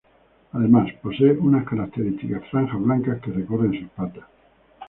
Además, posee unas características franjas blancas que recorren sus patas.